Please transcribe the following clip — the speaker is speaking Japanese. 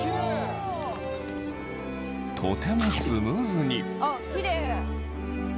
とてもスムーズに。